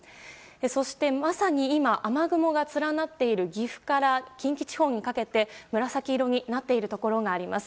そして、まさに今雨雲が連なっている岐阜から近畿地方にかけて紫色になっているところがあります。